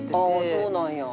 そうなんや。